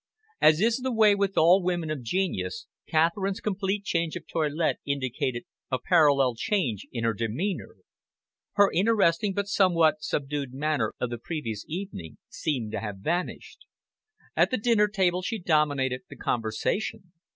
As is the way with all women of genius, Catherine's complete change of toilette indicated a parallel change in her demeanour. Her interesting but somewhat subdued manner of the previous evening seemed to have vanished. At the dinner table she dominated the conversation.